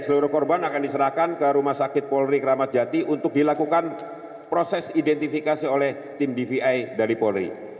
lanjut ini perkiraan akan diserahkan ke rumah sakit polri kramatjati untuk dilakukan proses identifikasi oleh tim dvi dari polri